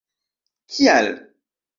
Kial?